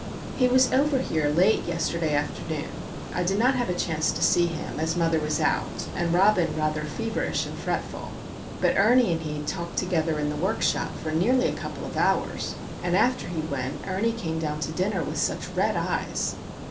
He was over here late yesterday afternoon. I did not have a chance to see him, as mother was out, and Robin rather feverish and fretful; but Ernie and he talked together in the workshop for nearly a couple of hours, and after he went Ernie came down to dinner with such red eyes.